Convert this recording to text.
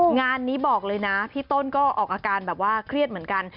งานนี้บอกเลยนะพี่ต้นก็ออกอาการแบบว่าเครียดเหมือนกัน